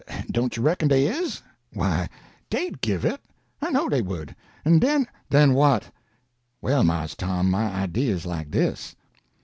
Don't you reckon dey is? Why, dey'd give it, I know dey would, en den—" "Then what?" "Well, Mars Tom, my idea is like dis.